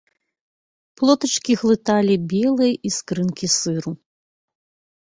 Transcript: Плотачкі глыталі белыя іскрынкі сыру.